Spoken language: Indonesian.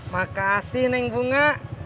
makasih neng bunga